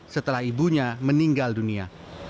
setelah ibunya meninggal dunia